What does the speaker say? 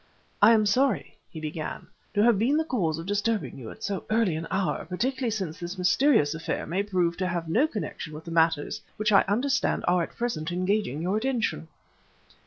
"I am sorry," he began, "to have been the cause of disturbing you at so early an hour, particularly since this mysterious affair may prove to have no connection with the matters which I understand are at present engaging your attention."